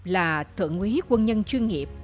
là thượng quý quân nhân chuyên nghiệp